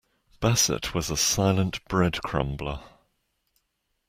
Bassett was a silent bread crumbler.